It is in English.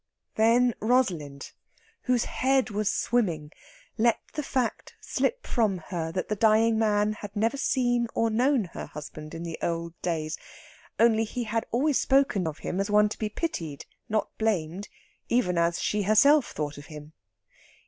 Then Rosalind, whose head was swimming, let the fact slip from her that the dying man had never seen or known her husband in the old days; only he had always spoken of him as one to be pitied, not blamed, even as she herself thought of him.